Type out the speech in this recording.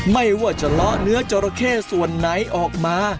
ไม่ว่าจะเลาะเนื้อจราเข้ส่วนไหนออกมา